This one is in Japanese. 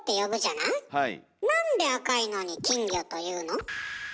なんで赤いのに金魚というの？